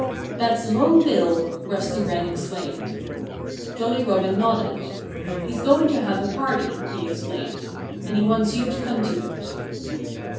"That's Long Bill!" Rusty Wren exclaimed. Jolly Robin nodded. "He's going to have a party," he explained. "And he wants you to come to it."